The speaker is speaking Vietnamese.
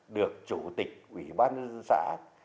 được chủ tịch ủy ban dân xã